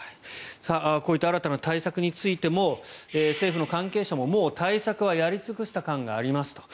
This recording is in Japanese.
こういった新たな対策についても政府の関係者ももう対策はやり尽くした感がありますと。